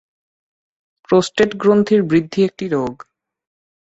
Prostate গ্রন্থির বৃদ্ধি একটি রোগ।